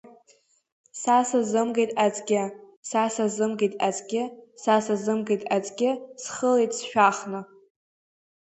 Са сазымгеит аӡгьы, са сазымгеит аӡгьы, са сазымгеит аӡгьы, схылеит сшәахны!